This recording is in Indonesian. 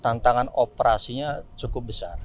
tantangan operasinya cukup besar